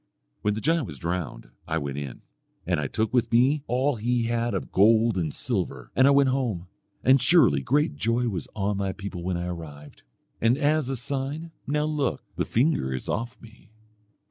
"When the giant was drowned I went in, and I took with me all he had of gold and silver, and I went home, and surely great joy was on my people when I arrived. And as a sign now look, the finger is off me."